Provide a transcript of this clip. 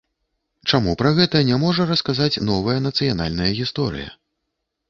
Чаму пра гэта не можа расказаць новая нацыянальная гісторыя?